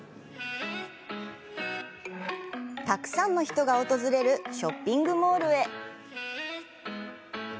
たくさんの人が訪れるショッピングモールへ。